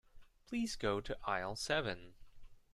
Please go to aisle seven.